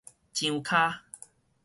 樟跤